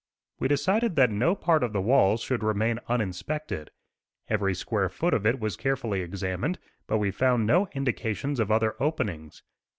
We decided that no part of the walls should remain uninspected. Every square foot of it was carefully examined, but we found no indications of other openings.